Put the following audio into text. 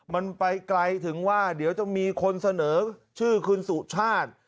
มันไปไกลถึงว่าเดี๋ยวจะมีคนเสนอชื่อคุณสุชาติ